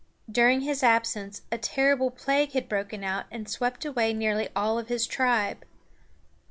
During his absence a terrible plague had broken out and swept away nearly all his tribe.